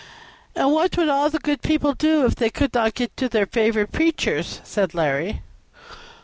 "And what would all the good people do if they could not get to their favorite preachers?" said Larry.